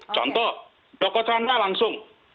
contoh dokter anda langsung